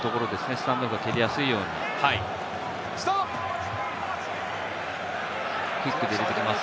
スタンドが蹴りやすいようにキックで入れてきます。